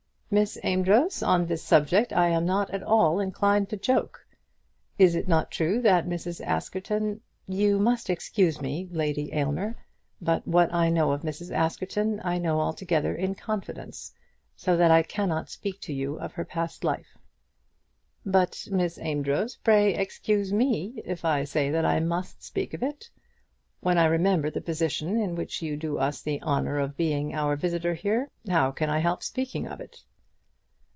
"Miss Amedroz, on this subject I am not at all inclined to joke. Is it not true that Mrs. Askerton " "You must excuse me, Lady Aylmer, but what I know of Mrs. Askerton, I know altogether in confidence; so that I cannot speak to you of her past life." "But, Miss Amedroz, pray excuse me if I say that I must speak of it. When I remember the position in which you do us the honour of being our visitor here, how can I help speaking of it?"